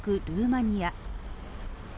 ルーマニア。